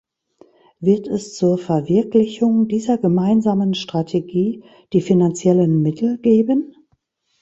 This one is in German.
Wird es zur Verwirklichung dieser gemeinsamen Strategie die finanziellen Mittel geben?